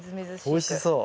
うんおいしそう。